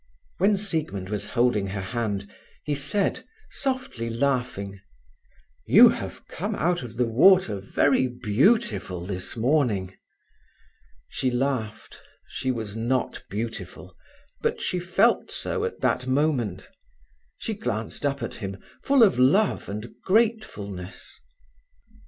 When Siegmund was holding her hand, he said, softly laughing: "You have come out of the water very beautiful this morning." She laughed. She was not beautiful, but she felt so at that moment. She glanced up at him, full of love and gratefulness.